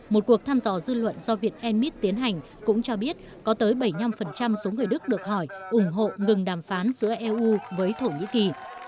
một cuộc thăm dò dư luận do viện enmith tiến hành cũng cho biết có tới bảy mươi năm số người đức được hỏi ủng hộ ngừng đàm phán giữa eu với thổ nhĩ kỳ